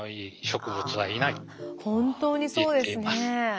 本当にそうですね。